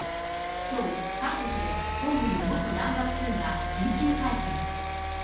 きょう、韓国で本部の元ナンバー２が緊急会見。